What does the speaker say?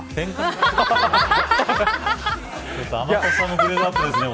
天達さんもグレードアップですね。